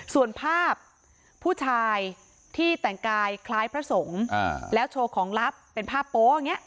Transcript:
ส่วนภาพผู้ชายที่แต่งกายคล้ายพระสงฆ์แล้วโชว์ของลับเป็นภาพโป๊ะอย่างนี้